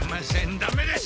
ダメです！